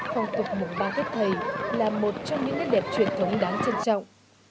phong tục mùng ba tết thầy là một trong những nét đẹp truyền thống đáng trân trọng